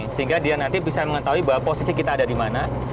sehingga dia nanti bisa mengetahui bahwa posisi kita ada di mana